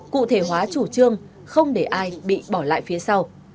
cụ thể hóa chủ trương không để ai bị bỏ lại phía sau